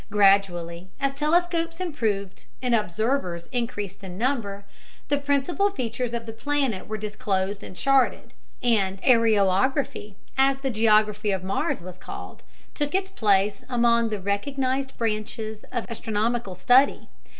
Gradually, as telescopes improved and observers increased in number, the principal features of the planet were disclosed and charted, and "areography," as the geography of Mars was called, took its place among the recognized branches of astronomical study.